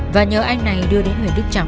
và nhớ anh này đưa đến huyện đức trọng